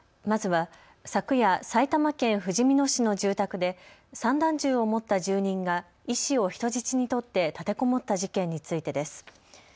まずは昨夜、埼玉県ふじみ野市の住宅で散弾銃を持った住人が医師を人質に取って立てこもった事件についてです。